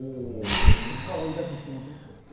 結果、追いだきをしていませんか？